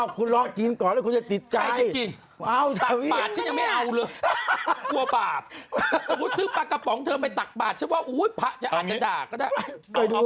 นึกว่าปาปถ้าชื่นสืบปลากระป๋องเธอเป็นตักบาทฉันว่าอู้ยพ้ะจะอาจจะด่า